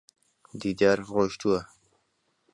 دیدار ڕۆیشتووە.